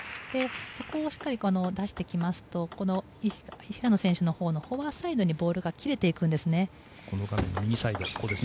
そこをしっかり出してきますと平野選手のほうのフォアサイドにボールが切れていくんですね。